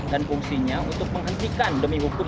dan fungsinya untuk menghentikan demi hukum